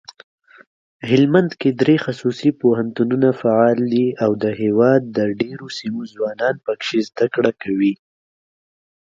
هلمندکې دري خصوصي پوهنتونونه فعال دي اودهیواد دډیروسیمو ځوانان پکښي زده کړه کوي.